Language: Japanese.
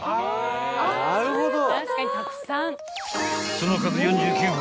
［その数４９本］